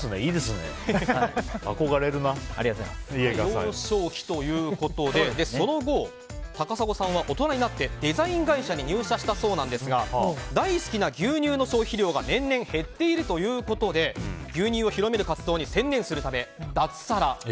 幼少期ということでその後、高砂さんは大人になって、デザイン会社に入社したそうですが大好きな牛乳の消費量が年々減っているということで牛乳を広める活動に専念するため脱サラ。